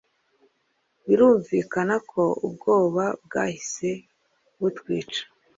birumvikana ko ubwoba bwahise butwica